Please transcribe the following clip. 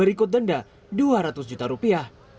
berikut denda dua ratus juta rupiah